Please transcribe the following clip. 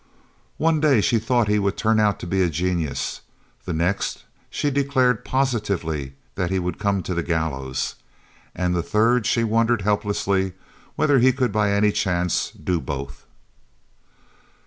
One day she thought he would turn out to be a genius, the next she declared positively that he would come to the gallows, and the third she wondered helplessly whether he could by any chance do both.